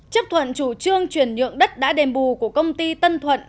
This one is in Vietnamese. chấp thuận chủ trương chuyển nhượng đất đã đền bù của công ty tân thuận